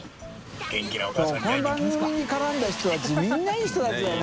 發この番組に絡んだ人たちみんないい人たちだよな。